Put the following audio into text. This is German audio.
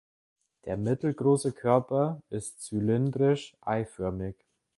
Der mittelgroße Körper ist zylindrisch eiförmig.